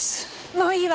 もういいわ。